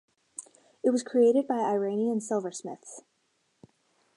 It was created by Iranian silversmiths.